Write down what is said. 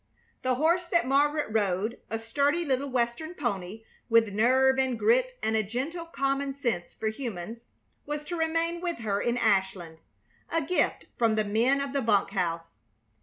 The horse that Margaret rode, a sturdy little Western pony, with nerve and grit and a gentle common sense for humans, was to remain with her in Ashland, a gift from the men of the bunk house.